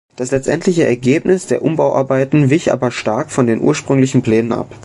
Das letztendliche Ergebnis der Umbauarbeiten wich aber stark von den ursprünglichen Plänen ab.